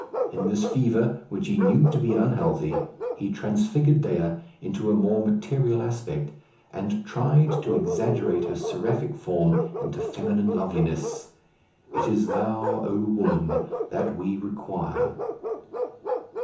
In this fever, which he knew to be unhealthy, he transfigured Dea into a more material aspect, and tried to exaggerate her seraphic form into feminine loveliness. It is thou, O woman, that we require.